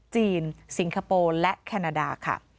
สิงคโปร์และแคนาดาค่ะ